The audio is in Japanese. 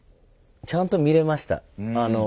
ちゃんと見れました。